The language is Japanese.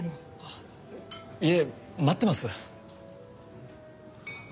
いえ待ってます。